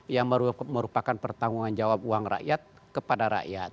yang merupakan pertanggung jawab uang rakyat kepada rakyat